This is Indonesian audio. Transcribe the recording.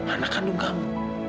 anak kandung kamu